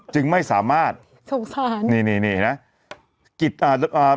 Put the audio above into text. จึงไม่สามารถสงสารนี่นี่นี่นะอ่าอ่า